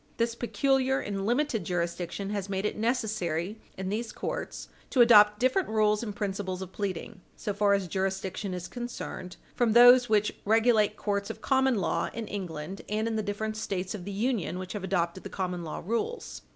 This peculiar and limited jurisdiction has made it necessary, in these courts, to adopt different rules and principles of pleading, so far as jurisdiction is concerned, from those which regulate courts of common law in England and in the different States of the Union which have adopted the common law rules.